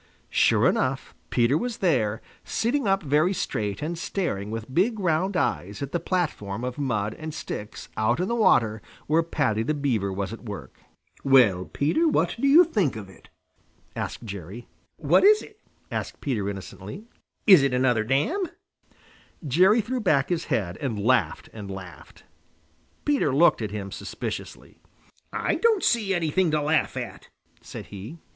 Sure enough, Peter was there, sitting up very straight and staring with big round eyes at the platform of mud and sticks out in the water where Paddy the Beaver was at work. [Illustration: "Why it's a house you stupid. It's Paddy's new house," replied Jerry. Page 57.] "Well, Peter, what do you think of it?" asked Jerry. "What is it?" asked Peter innocently. "Is it another dam?" Jerry threw back his head and laughed and laughed. Peter looked at him suspiciously. "I don't see anything to laugh at," said he.